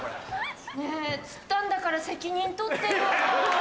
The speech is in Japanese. ねぇ釣ったんだから責任取ってよ。